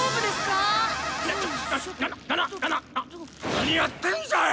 何やってんじゃい！